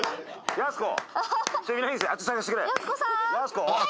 やす子！